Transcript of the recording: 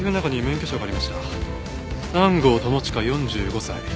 南郷朋親４５歳。